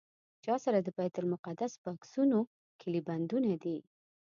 چا سره د بیت المقدس په عکسونو کیلي بندونه دي.